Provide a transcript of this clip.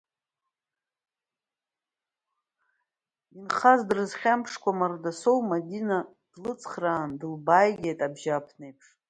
Инхаз дрызхьамԥшкәа, Мардасоу Мадина длыцхрааны длыбааигеит абжьааԥнеиԥш.